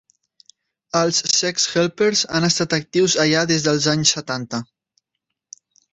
Els "Sex Helpers" han estat actius allà des dels anys setanta.